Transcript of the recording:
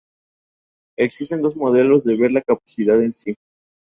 Existen dos modelos de ver la discapacidad en sí.